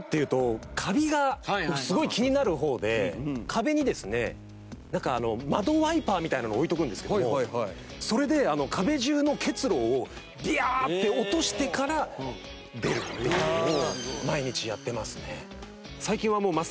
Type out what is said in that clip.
壁にですねなんかあの窓ワイパーみたいなのを置いとくんですけどもそれで壁中の結露をビャーッて落としてから出るっていうのを毎日やってますね。